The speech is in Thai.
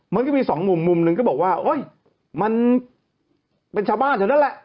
มันก็มีสองมุมมุมหนึ่งก็บอกว่าโอ๊ยมันเป็นชาวบ้านแถวนั้นแหละ